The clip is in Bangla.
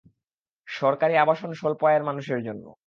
সরকারি আবাসন স্বল্প আয়ের মানুষের জন্য।